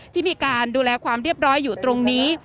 ที่มีการดูแลความเรียบร้อยอยู่ตรงนี้